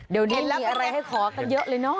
เดี๋ยวสิมีอะไรให้ขอเขาเยอะเลยนะ